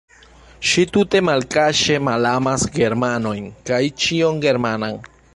Ŝi tute malkaŝe malamas germanojn kaj ĉion germanan.